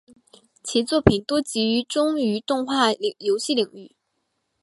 其作品多集中于动画游戏领域。